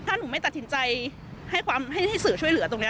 ถ้าเราไม่ตัดสินใจให้สื่อช่วยเหลือตรงนี้